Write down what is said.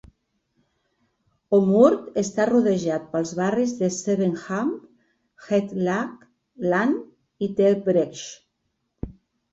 Ommoord està rodejat pels barris de Zevenkamp, Het Lage Land i Terbregge.